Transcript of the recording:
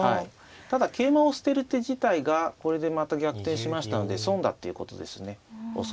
ただ桂馬を捨てる手自体がこれでまた逆転しましたので損だっていうことですね恐らく。